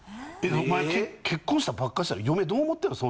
お前結婚したばっかしやろ嫁どう思ってんの？